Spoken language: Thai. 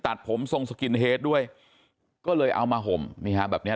ตัดผมทรงสกินเฮดด้วยก็เลยเอามาห่มนี่ฮะแบบเนี้ย